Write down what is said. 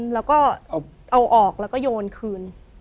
แล้วก็เอาออกแล้วก็โยนคืน